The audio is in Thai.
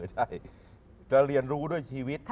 อ๋อเหรอจะเรียนรู้ด้วยชีวิตด้วยกัน